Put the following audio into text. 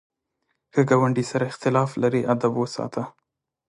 که ګاونډي سره اختلاف لرې، ادب وساته